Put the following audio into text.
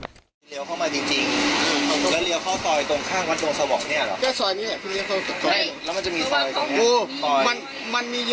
เลี้ยวเข้ามาจริงแล้วเลี้ยวเข้าซอยตรงข้างวัดทรงสวองเนี่ยเหรอ